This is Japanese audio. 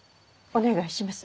お願いします。